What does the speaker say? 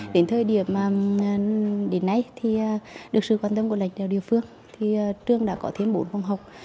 đến thời điểm đến nay thì được sự quan tâm của lãnh đạo địa phương thì trường đã có thêm bốn phòng học